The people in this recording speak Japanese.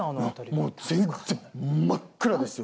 もう全然真っ暗ですよ。